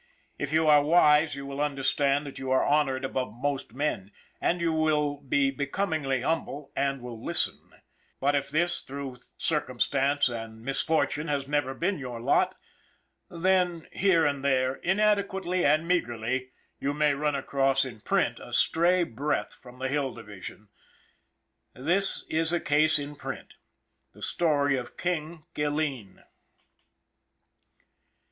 If you are wise you will understand that you are honored above most men, and you will be becom ingly humble and will listen. But if this, through circumstance and misfortune, has never been your lot, then, here and there, inadequately and meagerly, you may run across, in print, a stray breath from the Hill Division this is a case in print the story of " King " Gilleen.